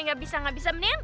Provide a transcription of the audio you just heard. nggak bisa nggak bisa menit